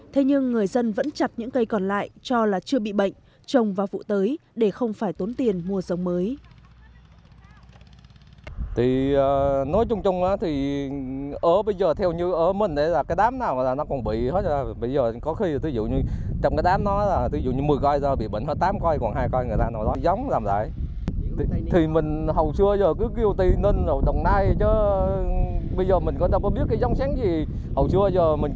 thế nhưng người dân vẫn chặt những cây còn lại cho là chưa bị bệnh trồng vào vụ tới để không phải tốn tiền mua sống mới